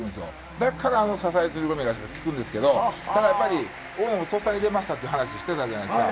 だからあの支え釣り込み足が効くんですけど、だからやっぱり、大野もとっさに出ましたっていう話してたじゃないですか。